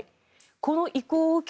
この意向を受け